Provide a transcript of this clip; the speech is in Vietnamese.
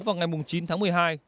vào ngày chín tháng một mươi hai